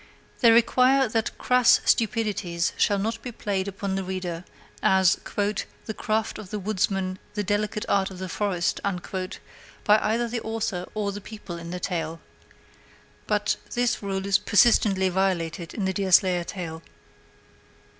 They require that crass stupidities shall not be played upon the reader as "the craft of the woodsman, the delicate art of the forest," by either the author or the people in the tale. But this rule is persistently violated in the Deerslayer tale.